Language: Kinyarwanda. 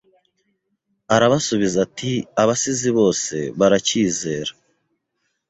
Arabasubiza ati Abasizi bose barabyizera